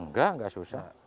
enggak enggak susah